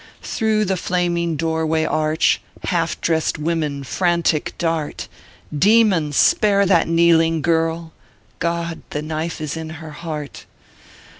"Through the flaming doorway arch, Half dressed women frantic dart ; Demon 1 spare that kneeling girl God! the knife is in her heart.